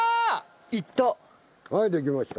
いったはいできました